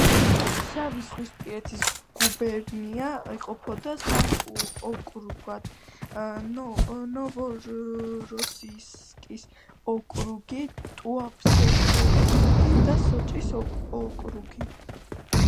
შავიზღვისპირეთის გუბერნია იყოფოდა სამ ოკრუგად: ნოვოროსიისკის ოკრუგი, ტუაფსეს ოკრუგი და სოჭის ოკრუგი.